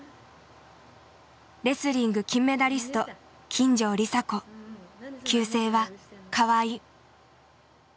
レスリング金メダリスト旧姓は川井。